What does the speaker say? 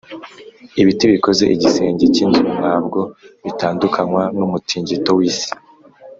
Ibiti bikoze igisenge cy’inzu, nta bwo bitandukanywa n’umutingito w’isi;